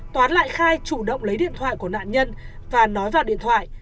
toán lại khai chủ động lấy điện thoại của nạn nhân và nói vào điện thoại